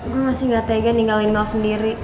gue masih gak tega ninggalin mau sendiri